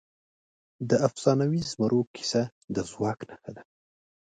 د افسانوي زمرو کیسه د ځواک نښه ده.